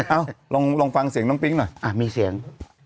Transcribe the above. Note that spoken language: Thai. เอ้าลองฟังเสียงน้องปิ๊งหน่อยมีเสียง